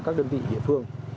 các đơn vị địa phương